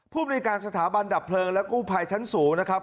ภูมิในการสถาบันดับเพลิงและกู้ภัยชั้นสูงนะครับ